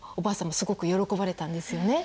すごく喜ばれたんですよね。